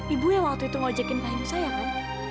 ibu yang waktu itu ngejekin pahimu saya kan